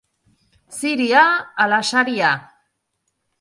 Ziria ala saria?